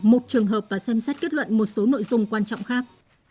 một trường hợp và xem xét kết luận một số nội dung quan trọng khác